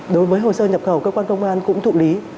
đối với hồ sơ nhập khẩu cơ quan công an cũng thụ lý